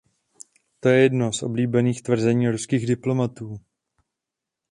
To je jedno z oblíbených tvrzení ruských diplomatů.